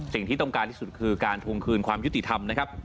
สิ่งที่ต้องการที่สุดคือการทวงคืนความยุติธรรมนะครับ